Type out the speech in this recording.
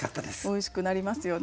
おいしくなりますよね。